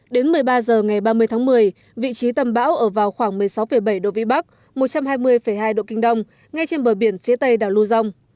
đến một mươi ba h ngày ba mươi tháng một mươi vị trí tâm bão ở vào khoảng một mươi sáu bảy độ vĩ bắc một trăm hai mươi hai độ kinh đông ngay trên bờ biển phía tây đảo lưu dông